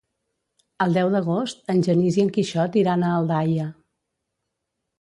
El deu d'agost en Genís i en Quixot iran a Aldaia.